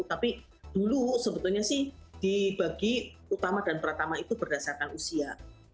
tapi dulu sebetulnya sih dibagi utama dan pertama itu berdasarkan usia